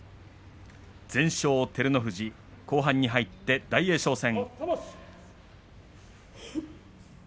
全勝照ノ富士、後半に入って大栄翔戦。